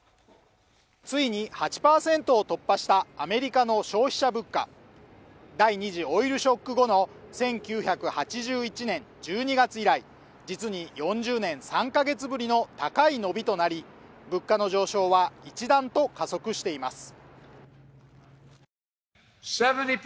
ついに８％を突破したアメリカの消費者物価第２次オイルショック後の１９８１年１２月以来実に４０年３か月ぶりの高い伸びとなり物価の上昇は一段と加速しています